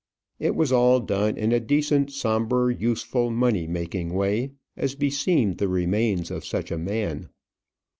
It was all done in a decent, sombre, useful, money making way, as beseemed the remains of such a man.